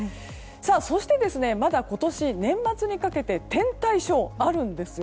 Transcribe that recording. そして、まだ今年年末にかけて天体ショーがあるんですよ。